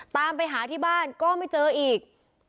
ตามไปหาที่บ้านก็ไม่เจออีก